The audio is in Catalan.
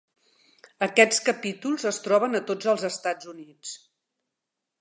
Aquests capítols es troben a tots els Estats Units.